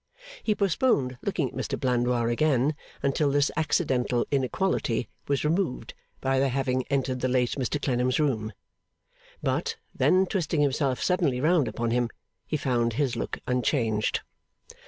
He postponed looking at Mr Blandois again until this accidental inequality was removed by their having entered the late Mr Clennam's room. But, then twisting himself suddenly round upon him, he found his look unchanged.